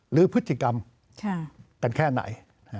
หรือพฤติกรรมกันแค่ไหน